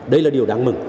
đây là điều đáng mừng